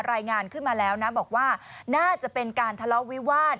รายงานขึ้นมาแล้วนะบอกว่าน่าจะเป็นการทะเลาะวิวาส